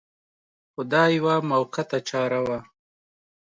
خو دا یوه موقته چاره وه.